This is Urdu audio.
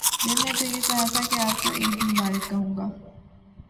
دل نے تو یہ چاہا تھا کہ آپ کو عید مبارک کہوں گا۔